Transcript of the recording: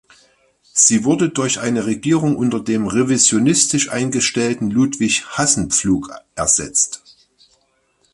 Sie wurden durch eine Regierung unter dem revisionistisch eingestellten Ludwig Hassenpflug ersetzt.